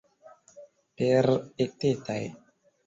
Per etetaj.